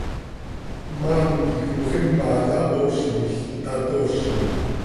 Cmaam quij moxima yahoozlil, tatoozi.